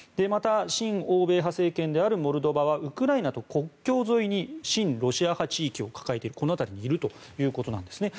また、親欧米派政権であるモルドバはウクライナと国境沿いに親ロシア派地域を抱えているこの辺りにいるということなんです。